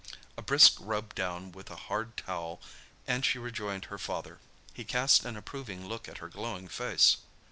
A brisk rub down with a hard towel and she rejoined her father. He cast an approving look at her glowing face.